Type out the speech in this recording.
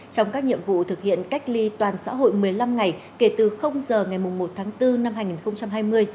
trong các nhiệm vụ thực hiện cách ly toàn xã hội một mươi năm ngày kể từ giờ ngày một tháng bốn năm hai nghìn hai mươi